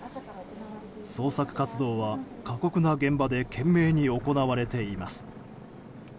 捜索活動は過酷な現場で懸命に行われています。